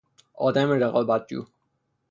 آدم رقابتجو